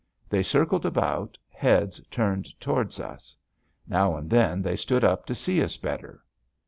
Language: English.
They circled about, heads turned toward us. Now and then they stood up to see us better.